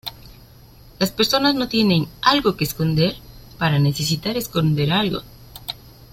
Las personas no tienen "algo que esconder" para necesitar esconder "algo".